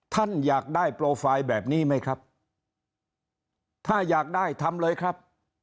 ท่านอยากได้โปรไฟล์แบบนี้ไหมครับถ้าอยากได้ทำเลยครับ